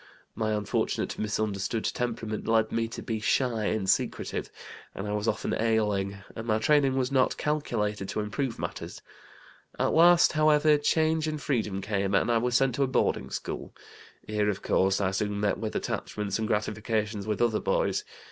My unfortunate, misunderstood temperament led me to be shy and secretive, and I was often ailing, and my training was not calculated to improve matters. At last, however, change and freedom came, and I was sent to a boarding school. Here, of course, I soon met with attachments and gratifications with other boys.